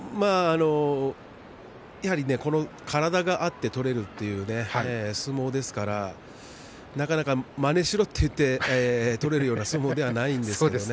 やはりこの体があって取れるという相撲ですからなかなかまねをしろといっても取れるような相撲ではないんですよね。